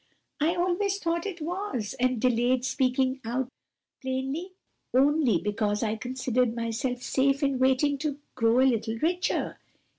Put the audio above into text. I've always thought it was, and delayed speaking out plainly only because I considered myself safe in waiting to grow a little richer."